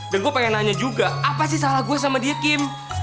dan gue pengen nanya juga apa sih salah gue sama dia kim